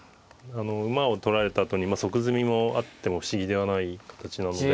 馬を取られたあとに即詰みもあっても不思議ではない形なので。